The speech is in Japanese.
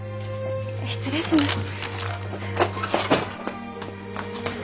失礼します。